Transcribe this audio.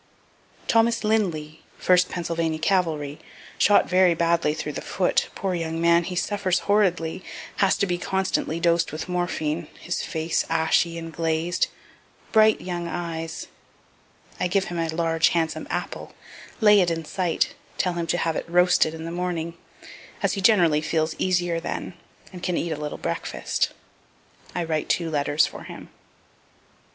Thomas Lindly, 1st Pennsylvania cavalry, shot very badly through the foot poor young man, he suffers horridly, has to be constantly dosed with morphine, his face ashy and glazed, bright young eyes I give him a large handsome apple, lay it in sight, tell him to have it roasted in the morning, as he generally feels easier then, and can eat a little breakfast. I write two letters for him.